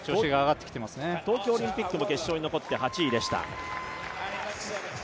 東京オリンピックも決勝に残って８位でした。